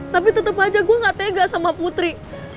tapi tetep aja gua gak tega sama putri